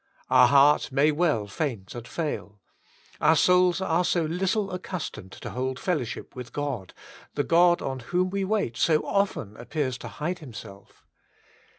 Our heart may well faint and fail. Our souls are so little accustomed to hold fellowship with God, the God on whom we wait so often appears to hide Himself.